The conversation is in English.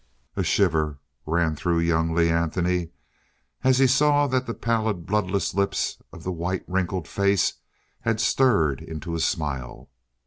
A shiver ran through young Lee Anthony as he saw that the pallid bloodless lips of the white wrinkled face had stirred into a smile.